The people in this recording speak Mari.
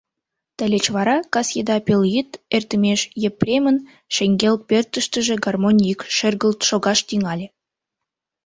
Тылеч вара кас еда, пелйӱд эртымеш, Епремын шеҥгел пӧртыштыжӧ гармонь йӱк шергылт шогаш тӱҥале.